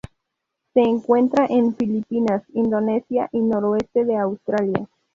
Se encuentra en Filipinas, Indonesia y noroeste de Australia.